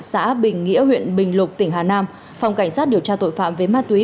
xã bình nghĩa huyện bình lục tỉnh hà nam phòng cảnh sát điều tra tội phạm về ma túy